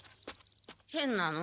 へんなの。